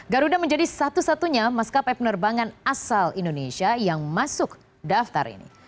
garuda menjadi satu satunya maskapai penerbangan asal indonesia yang masuk daftar ini